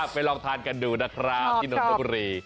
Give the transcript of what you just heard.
ไปลองทานกันดูนะครับที่โรงพยาบาลบุรี